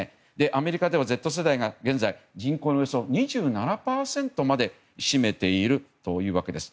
アメリカではＺ世代が人口のおよそ２７％まで占めているというわけです。